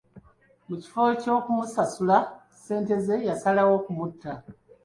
Mu kifo ky'okumusasula ssente ze, yasalawo okumutta.